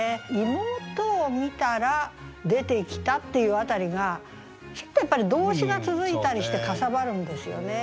「妹を見たら出てきた」っていう辺りがちょっとやっぱり動詞が続いたりしてかさばるんですよね。